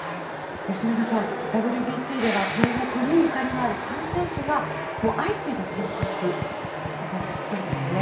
吉永さん、ＷＢＣでは東北にゆかりのある３選手が相次いで先発ということになりそうですね。